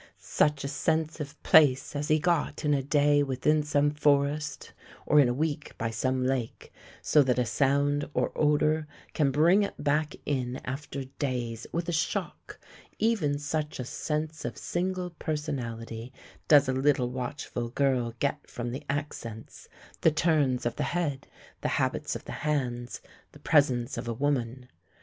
Such a sense of place as he got in a day within some forest, or in a week by some lake, so that a sound or odour can bring it back in after days, with a shock even such a sense of single personality does a little watchful girl get from the accents, the turns of the head, the habits of the hands, the presence of a woman.